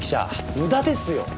無駄ですよ！